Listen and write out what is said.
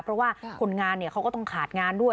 เพราะว่าคนงานเขาก็ต้องขาดงานด้วย